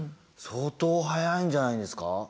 相当速いんじゃないんですか。